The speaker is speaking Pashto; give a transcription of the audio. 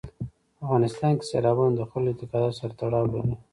په افغانستان کې سیلابونه د خلکو له اعتقاداتو سره تړاو لري.